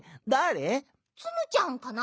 ツムちゃんかな。